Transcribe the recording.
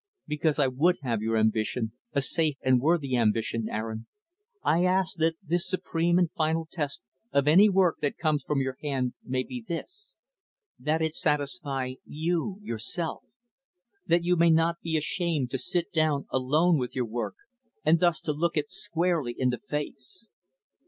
"Because I would have your ambition, a safe and worthy ambition, Aaron, I ask that the supreme and final test of any work that comes from your hand may be this; that it satisfy you, yourself that you may be not ashamed to sit down alone with your work, and thus to look it squarely in the face.